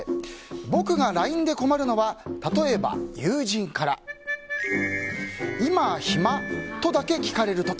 僕がＬＩＮＥで困るのは例えば、友人から今、暇？とだけ聞かれる時。